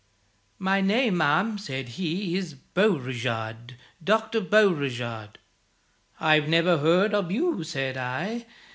'My name, ma'am,' said he, 'is Beauregard Dr. Beauregard.' 'I never heard of you,' said I.